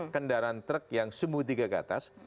kendaraan truk yang sumbu tiga ke atas